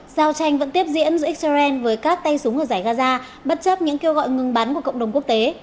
giao tranh vẫn tiếp diễn giữa israel với các tay súng ở giải gaza bất chấp những kêu gọi ngừng bắn của cộng đồng quốc tế